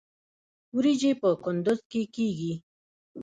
وریجې په کندز کې کیږي